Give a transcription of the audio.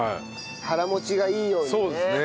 腹持ちがいいようにね。